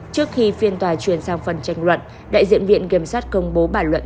trước khi phiên tòa chuyển sang phần tranh luận đại diện viện kiểm sát công bố bản luận